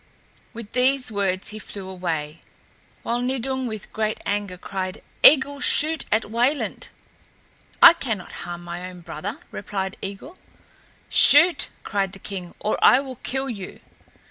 With these words he flew away, while Nidung in great anger cried: "Eigil, shoot at Wayland." "I cannot harm my own brother," replied Eigil. "Shoot," cried the king, "or I will kill you."